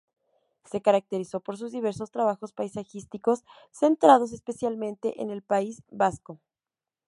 Se caracterizó por sus diversos trabajos paisajísticos, centrados especialmente en el País Vasco.